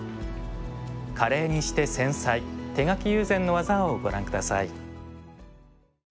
華麗にして繊細手描き友禅の技をご覧下さい。